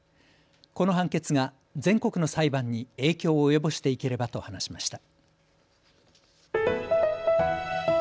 この判決が全国の裁判に影響を及ぼしていければと話しました。